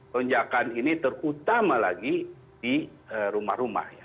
lonjakan ini terutama lagi di rumah rumah ya